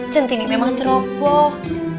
centini memang ceroboh